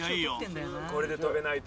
これで跳べないと。